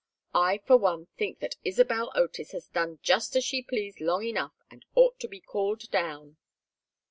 I, for one, think that Isabel Otis has done just as she pleased long enough, and ought to be called down."